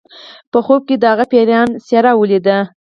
په خوب کې یې د هغه پیریان څیره ولیده